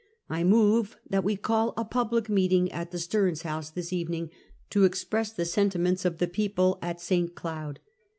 I move that we call a pub lic meeting at the Stearns House this evening, to ex press the sentiments of the people at St. Cloud."